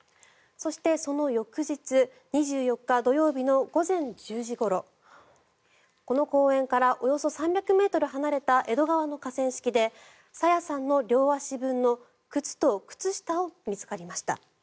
そして、その翌日２４日、土曜日の午前１０時ごろこの公園からおよそ３００ｍ離れた江戸川の河川敷で朝芽さんの両足分の靴と靴下が見つかりました。